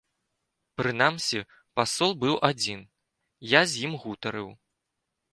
Прынамсі пасол быў адзін, я з ім гутарыў.